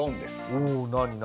お何？